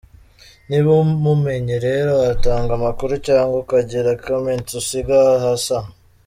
Niba umumenye rero watanga amakuru cyangwa ukagira comments usiga hasi aha.